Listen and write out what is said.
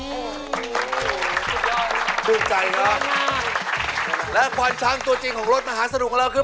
และควันช้างตัวจริงของรถมหาสนุกของเราคือ